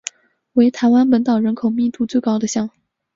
为台湾本岛人口密度最高的乡。